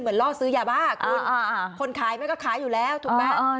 ล่อซื้อยาบ้าคุณคนขายมันก็ขายอยู่แล้วถูกไหม